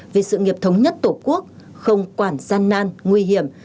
vì sự nghiệp thống nhất tổ quốc không quản gian nan nguy hiểm